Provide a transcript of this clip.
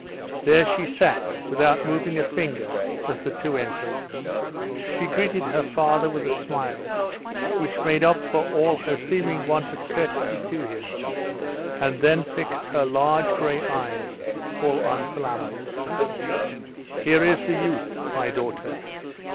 There she sat, without moving a finger, as the two entered. She greeted her father with a smile, which made up for all her seeming want of courtesy to him, and then fixed her large gray eyes full on Philammon. 'Here is the youth, my daughter.